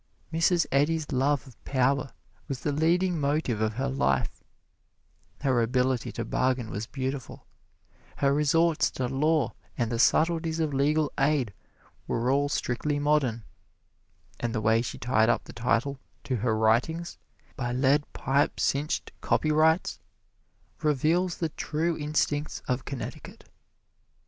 Mrs. Eddy's love of power was the leading motive of her life; her ability to bargain was beautiful; her resorts to law and the subtleties of legal aid were all strictly modern; and the way she tied up the title to her writings by lead pipe cinched copyrights reveals the true instincts of Connecticut.